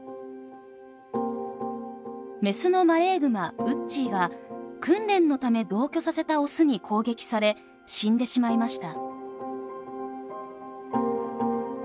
雌のマレーグマウッチーが訓練のため同居させた雄に攻撃され死んでしまいました。